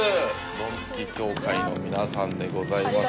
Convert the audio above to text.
ドンツキ協会の皆さんでございます。